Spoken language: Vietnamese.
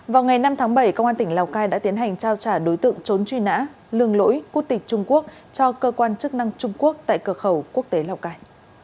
vào ngày năm tháng bảy công an tỉnh lào cai đã tiến hành trao trả đối tượng trốn truy nã lường lỗi quốc tịch trung quốc cho cơ quan chức năng trung quốc tại cửa khẩu quốc tế lào cai